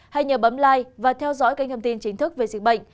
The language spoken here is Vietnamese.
hãy nhớ bấm like và theo dõi kênh thông tin chính thức về dịch bệnh